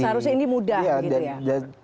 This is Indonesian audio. jadi seharusnya ini mudah